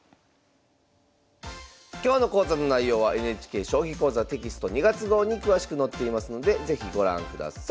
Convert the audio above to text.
今日の講座の内容はＮＨＫ「将棋講座」テキスト２月号に詳しく載っていますので是非ご覧ください。